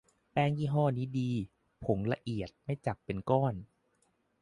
แป้งยี่ห้อนี้ดี ผงละเอียด ไม่จับเป็นก้อน